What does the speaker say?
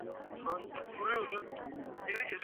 torati kumi na nane